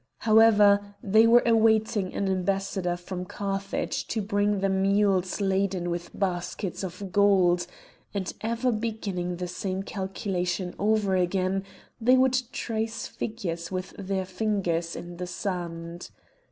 However, they were awaiting an ambassador from Carthage to bring them mules laden with baskets of gold; and ever beginning the same calculation over again, they would trace figures with their fingers in the sand.